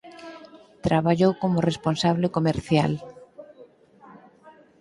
Traballou como responsable comercial.